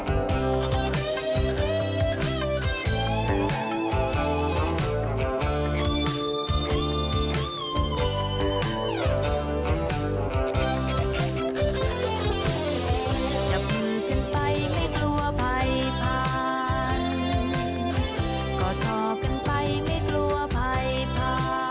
กอดท่อกันไปไม่กลัวใครพา